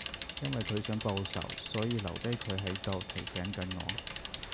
因為佢想報仇，所以留低佢喺度提醒緊我